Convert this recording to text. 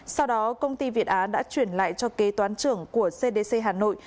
sau đó công ty việt á đã chuyển lại cho kế toán trưởng của cdc hà nội